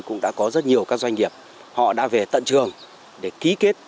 cũng đã có rất nhiều các doanh nghiệp họ đã về tận trường để ký kết